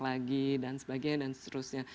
lagi dan sebagainya dan seterusnya